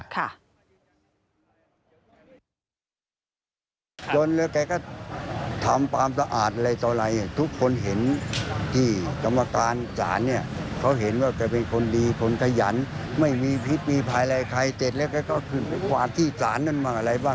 ให้ตังบางทีแกก็ไม่เอาน่ะถ้ามีแกจะไม่เอา